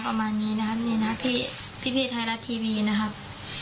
ประมาณนี้นะครับนี่นะพี่ไทยรัฐทีวีนะครับ